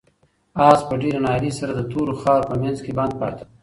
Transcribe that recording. آس په ډېرې ناهیلۍ سره د تورو خاورو په منځ کې بند پاتې و.